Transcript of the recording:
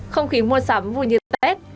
không khí mua sắm vui như tết